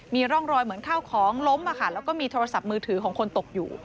มีร่องรอยเหมือนข้าวของล้มแล้วก็มีโทรศัพท์มือถือของคนตกอยู่